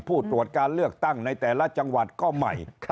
ผู้ตรวจการเลือกตั้งในแต่ละจังหวัดก็ใหม่